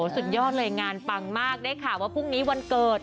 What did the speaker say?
สุดยอดเลยงานปังมากได้ข่าวว่าพรุ่งนี้วันเกิด